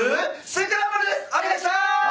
お願いします！